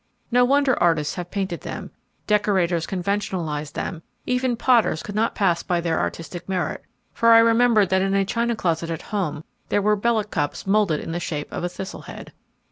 No wonder artists have painted them, decorators conventionalized them; even potters could not pass by their artistic merit, for I remembered that in a china closet at home there were Belleck cups moulded in the shape of a thistle head.